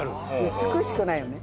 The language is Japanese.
美しくないよね。